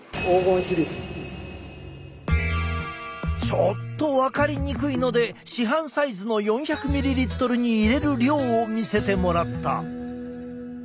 ちょっと分かりにくいので市販サイズの４００ミリリットルに入れる量を見せてもらった。